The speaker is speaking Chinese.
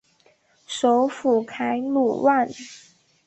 首府凯鲁万。